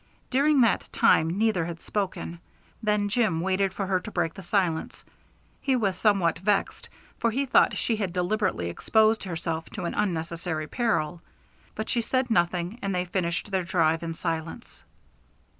During that time neither had spoken; then Jim waited for her to break the silence. He was somewhat vexed, for he thought she had deliberately exposed herself to an unnecessary peril. But she said nothing and they finished their drive in silence.